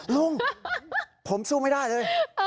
ลุงผมสู้ไม่ได้เลย